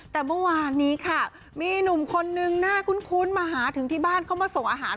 แต่เมื่อวานนี้ค่ะมีหนุ่มคนนึงน่าคุ้นมาหาถึงที่บ้านเข้ามาส่งอาหาร